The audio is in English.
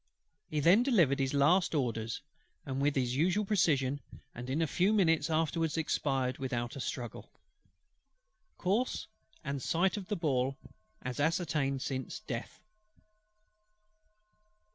He then delivered his last orders with his usual precision, and in a few minutes afterwards expired without a struggle. "_Course and site of the Ball, as ascertained since death.